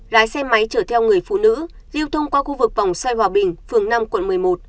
lái xe máy chở theo người phụ nữ lưu thông qua khu vực vòng xoay hòa bình phường năm quận một mươi một